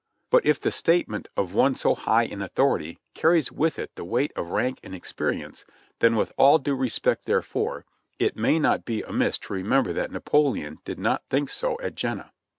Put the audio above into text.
But if the statement of one so high in authority carries with it the weight of rank and experience, then with all due respect therefor, it may not be amiss to remember that Napoleon did not think so at Jena.